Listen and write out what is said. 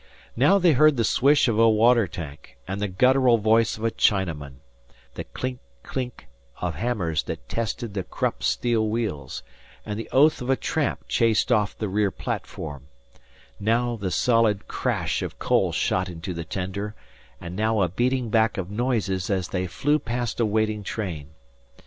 Now they heard the swish of a water tank, and the guttural voice of a Chinaman, the click clink of hammers that tested the Krupp steel wheels, and the oath of a tramp chased off the rear platform; now the solid crash of coal shot into the tender; and now a beating back of noises as they flew past a waiting train.